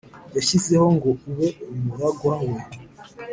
yashyizeho ngo abe umuragwa we